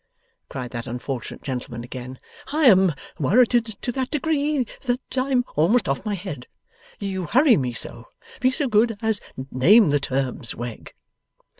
cried that unfortunate gentleman again, 'I am worrited to that degree that I'm almost off my head. You hurry me so. Be so good as name the terms, Wegg.